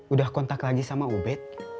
udah kontak lagi sama ubed